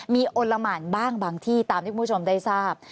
มีอลละหมานบ้างบางที่ตามที่คุณผู้ชมได้ทราบ